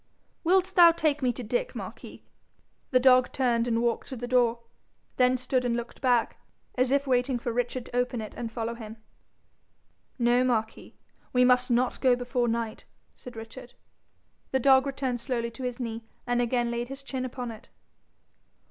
'Will thou take me to Dick, Marquis?' The dog turned and walked to the door, then stood and looked back, as if waiting for Richard to open it and follow him. 'No, Marquis, we must not go before night,' said Richard. The dog returned slowly to his knee, and again laid his chin upon it.